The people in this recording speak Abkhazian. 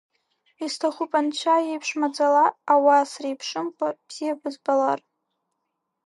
Исҭахуп Анцәа иеиԥш маӡала, ауаа среиԥшымкәа бзиа бызбалар…